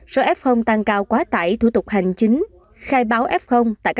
một sở f tăng cao quá tải thủ tục hành chính